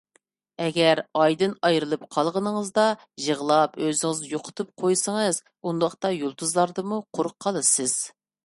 ئەگەر ئايدىن ئايرىلىپ قالغىنىڭىزغا يىغلاپ، ئۆزىڭىزنى يوقىتىپ قويسىڭىز، ئۇنداقتا يۇلتۇزلاردىنمۇ قۇرۇق قالىسىز.